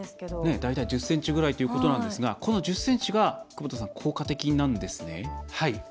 大体１０ｃｍぐらいということなんですがこの１０ｃｍが効果的なんですね。